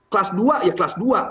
kelas dua ya kelas dua